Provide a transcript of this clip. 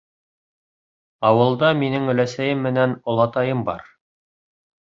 Ауылда минең өләсәйем менән олатайым бар.